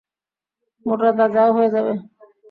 মোটাতাজাও হয়ে যাবে।